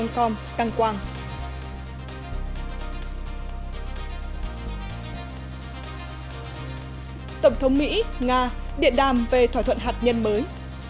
tổng thống mỹ nga điện đàm về thỏa thuận hạt nhân mới